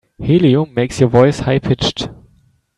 Helium makes your voice high pitched.